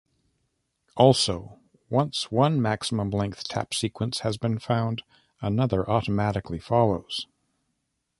Also, once one maximum-length tap sequence has been found, another automatically follows.